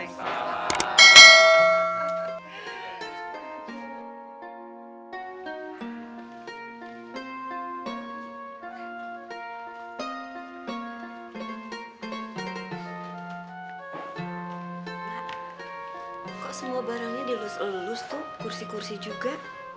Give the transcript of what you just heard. kok semua barangnya dilulus elulus tuh kursi kursi juga